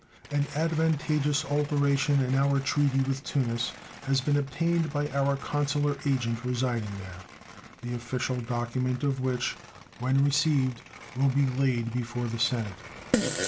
An advantageous alteration in our treaty with Tunis has been obtained by our consular agent residing there, the official document of which when received will be laid before the Senate.